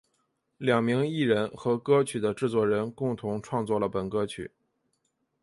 两名艺人和歌曲的制作人共同创作了本歌曲。